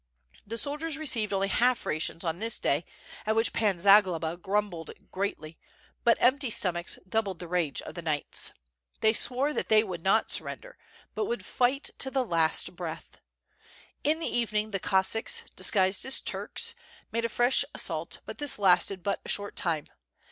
The soldiers received only half rations on this day, at which Pan Zagloba grumbled greatly but empty stomachs doubled the rage of the knights. They swore that they would not surrender, but would fight to the last breath. In the evening the Cossacks, disguised as Turks, made a fresh assault, but this lasted but a short time.